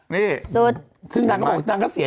นี่